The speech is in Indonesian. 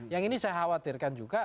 yang ini saya khawatirkan juga